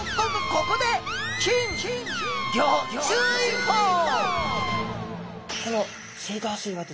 ここでこの水道水はですね